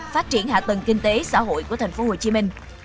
phát triển hạ tầng kinh tế xã hội của tp hcm